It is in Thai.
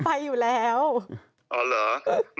พี่หนุ่ม